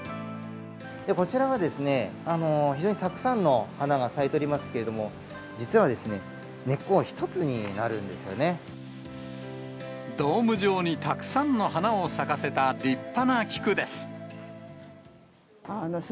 こちらはですね、非常にたくさんの花が咲いておりますけれども、実はですね、ドーム状にたくさんの花を咲かせた立派な菊です。